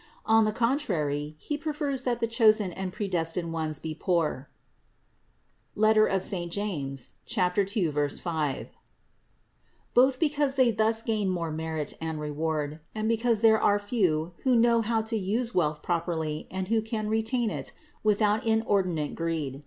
On the contrary He prefers that the chosen and predestined ones be poor (James 2, 5), both because they thus gain more merit and reward, and because there are few who know how to use wealth properly and who can retain it without inordinate greed.